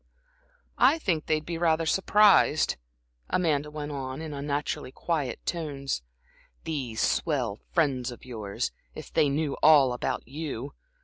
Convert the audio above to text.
"I think they'd be rather surprised," Amanda went on, in unnaturally quiet tones, "these swell friends of yours, if they knew all about you.